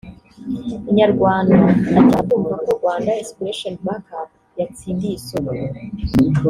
Inyarwanda akimara kumva ko Rwanda Inspiration Back Up yatsindiye isoko